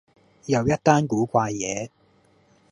又一單古怪野